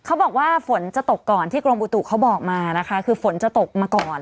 เขาบอกว่าฝนจะตกก่อนที่กรมอุตุเขาบอกมานะคะคือฝนจะตกมาก่อน